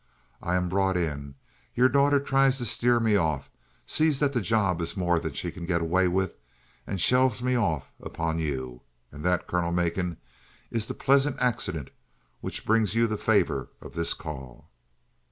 I am brought in; your daughter tries to steer me off, sees that the job is more than she can get away with, and shelves me off upon you. And that, Colonel Macon, is the pleasant accident which brings you the favor of this call."